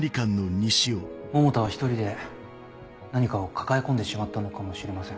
百田は１人で何かを抱え込んでしまったのかもしれません。